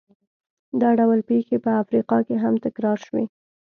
دا ډول پېښې په افریقا کې هم تکرار شوې.